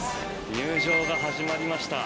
入場が始まりました。